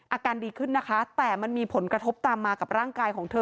อาการดีขึ้นนะคะแต่มันมีผลกระทบตามมากับร่างกายของเธอ